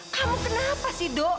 kamu kenapa sih do